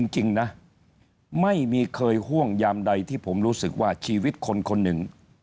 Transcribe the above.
จริงนะไม่มีเคยห่วงยามใดที่ผมรู้สึกว่าชีวิตคนคนหนึ่ง